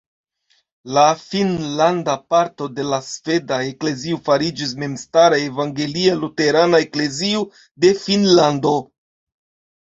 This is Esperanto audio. La finnlanda parto de la sveda eklezio fariĝis memstara Evangelia-Luterana Eklezio de Finnlando.